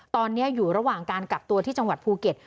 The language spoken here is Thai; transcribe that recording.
ตอนนี้อยู่ระหว่างการกักตัวที่จังหวัดภูเก็ต